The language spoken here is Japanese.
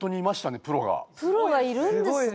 プロがいるんですね。